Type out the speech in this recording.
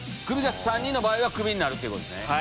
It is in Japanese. クビが３人の場合はクビになるっていうことですね。